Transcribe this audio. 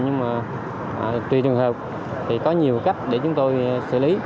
nhưng mà tùy trường hợp thì có nhiều cách để chúng tôi xử lý